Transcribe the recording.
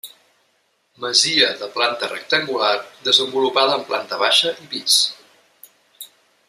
Masia de planta rectangular desenvolupada en planta baixa i pis.